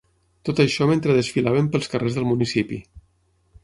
Tot això mentre desfilaven pels carrers del municipi.